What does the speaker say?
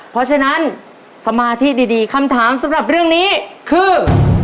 เพราะฉะนั้นสมาธิดีคำถามสำหรับเรื่องนี้คือ